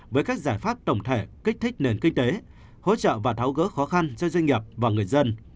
với các giải pháp tổng thể kích thích nền kinh tế hỗ trợ và tháo gỡ khó khăn cho doanh nghiệp và người dân